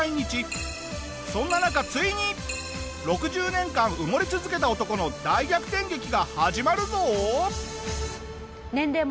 そんな中ついに６０年間埋もれ続けた男の大逆転劇が始まるぞ！